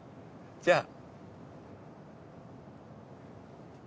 じゃあ。